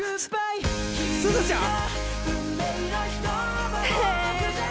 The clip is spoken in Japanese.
すずちゃん！